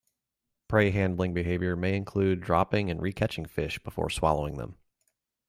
Prey handling behavior may include dropping and re-catching fish before swallowing them.